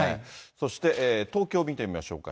そして東京見てみましょうか。